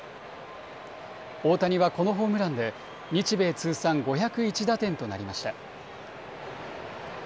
大谷はこのホームランで日米通算５０１打点となりました。